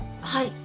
はい。